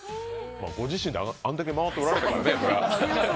ご自身であんだけ回っておられるからね。